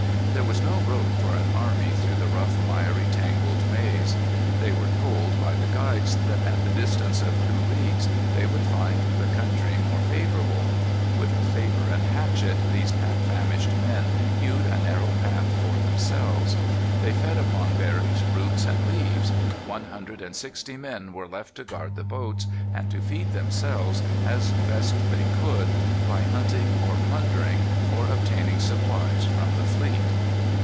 There was no road for an army through the rough, miry, tangled maze. They were told by the guides that, at the distance of two leagues, they would find the country more favorable. With sabre and hatchet these half famished men hewed a narrow path for themselves. They fed upon berries, roots, and leaves. One hundred and sixty men were left to guard the boats, and to feed themselves as best they could by hunting or plundering, or obtaining supplies from the fleet.